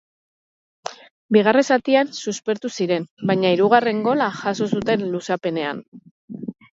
Bigarren zatian suspertu ziren, baina hirugarren gola jaso zuten luzapenean.